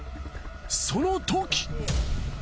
その時。